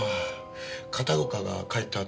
片岡が帰ったあと。